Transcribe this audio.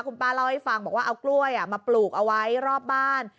คุณป้าเล่าให้ฟังบอกว่าเอากล้วยมาปลูกเอาไว้รอบบ้าน